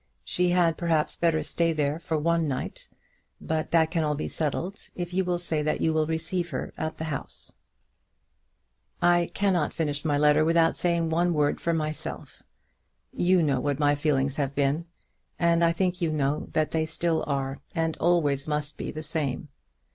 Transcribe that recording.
She had, perhaps, better stay there for one night, but that can all be settled if you will say that you will receive her at the house. I cannot finish my letter without saying one word for myself. You know what my feelings have been, and I think you know that they still are, and always must be, the same.